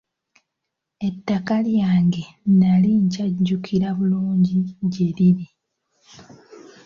Ettaka lyange nnali nkyajjukira bulungi gye liri.